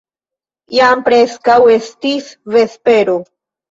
Jam preskaŭ estis vespero.